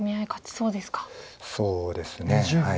そうですねはい。